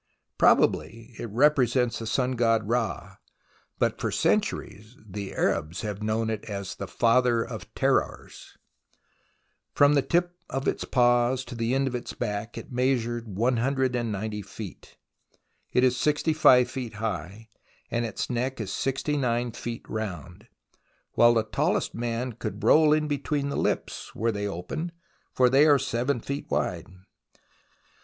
Probably it repre sents the sun god Ra, but for centuries the Arabs have known it as the Father of Terrors, From the tip of its paws to the end of its back it measures 190 feet. It is 65 feet high, and its neck is 69 feet round, while the taUest man could roll in between the lips, were they open, for they are 7 feet wide.